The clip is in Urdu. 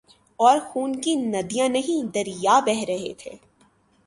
اورخون کی ندیاں نہیں دریا بہہ رہے تھے۔